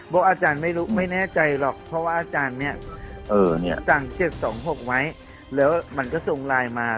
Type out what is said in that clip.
อาจารย์ไม่รู้ไม่แน่ใจหรอกเพราะว่าอาจารย์เนี่ยสั่ง๗๒๖ไว้แล้วมันก็ส่งไลน์มา